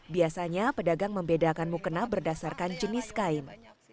biasanya pedagang membedakan mukena berdasarkan jenis kain